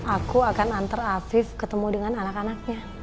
aku akan antar afif ketemu dengan anak anaknya